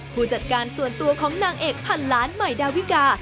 ผู้จัดการส่วนตัวของนางเอกพันล้านใหม่ดาวิกา